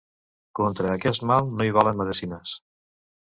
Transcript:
Contra aquest mal, no hi valen medecines.